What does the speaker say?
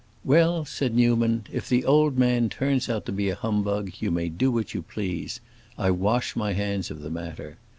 "Well," said Newman, "if the old man turns out a humbug, you may do what you please. I wash my hands of the matter.